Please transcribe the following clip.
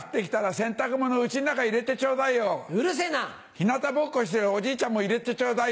ひなたぼっこしてるおじいちゃんも入れてちょうだい。